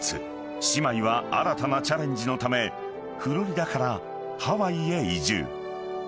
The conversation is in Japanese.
［姉妹は新たなチャレンジのためフロリダからハワイへ移住］